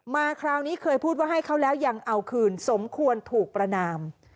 คราวนี้เคยพูดว่าให้เขาแล้วยังเอาคืนสมควรถูกประนาม